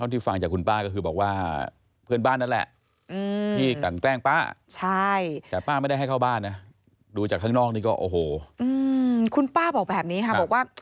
ที่ฟังจากคุณป้าก็บอกว่าเพื่อนบ้านนั้นแหละ